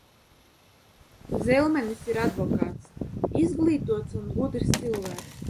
Zelmenis ir advokāts, izglītots un gudrs cilvēks.